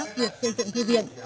việc xây dựng thư viện